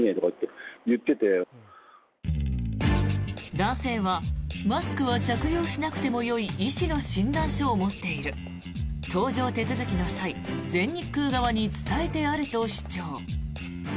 男性はマスクは着用しなくてもよい医師の診断書を持っている搭乗手続きの際全日空側に伝えてあると主張。